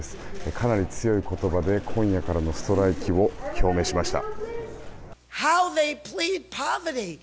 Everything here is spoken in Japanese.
かなり強い言葉で今夜からのストライキを表明しました。